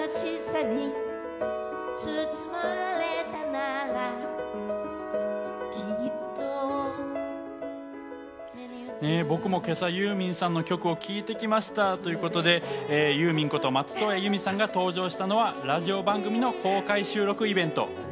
ねぇ、僕も今朝、ユーミンさんの曲を聴いてきました！ということで、ユーミンこと松任谷由実さんが登場したのはラジオ番組の公開収録イベント。